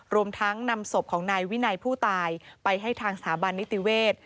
รวมทั้งนำศพของนายวินัยผู้ตายไปให้ทางสถาบันนิติเวศ